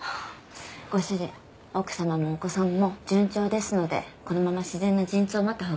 ご主人奥様もお子さんも順調ですのでこのまま自然な陣痛を待ったほうがいいと思いますよ。